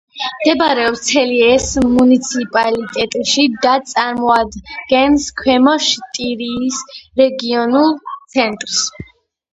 მდებარეობს ცელიეს მუნიციპალიტეტში და წარმოადგენს ქვემო შტირიის რეგიონულ ცენტრს.